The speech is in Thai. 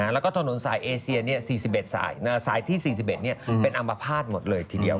แล้วก็ถนนสายเอเซีย๔๑สายที่๔๑เป็นอัมพาตหมดเลยทีเดียว